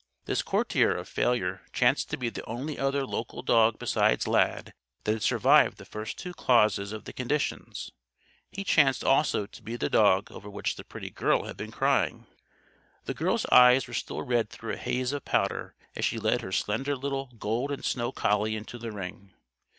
This courtier of failure chanced to be the only other local dog besides Lad that had survived the first two clauses of the conditions. He chanced also to be the dog over which the pretty girl had been crying. The girl's eyes were still red through a haze of powder as she led her slender little gold and snow collie into the ring.